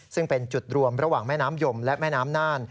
ซึ่งเป็นจุดรวมระหว่างแม่น้ำยมและแม่น้ำน่าน